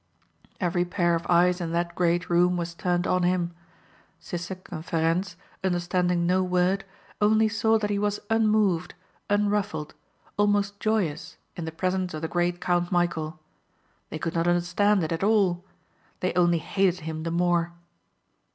Every pair of eyes in that great room was turned on him. Sissek and Ferencz understanding no word only saw that he was unmoved, unruffled, almost joyous in the presence of the great Count Michæl. They could not understand it at all. They only hated him the more.